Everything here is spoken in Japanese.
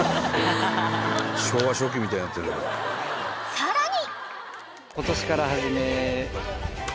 ［さらに］